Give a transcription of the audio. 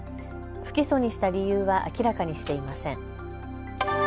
不起訴にした理由は明らかにしていません。